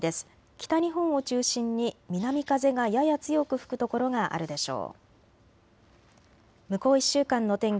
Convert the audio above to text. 北日本を中心に南風がやや強く吹く所があるでしょう。